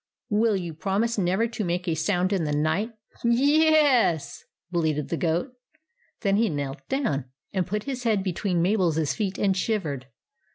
"Will you promise never to make a sound in the night ?"" Y e e s !" bleated the goat. Then he knelt down and put his head between Mabel's feet and shivered.